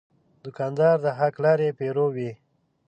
دوکاندار د حق لارې پیرو وي.